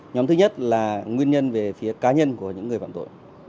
nhóm thứ nhất là nguyên nhân về phía cá nhân của những người phạm tội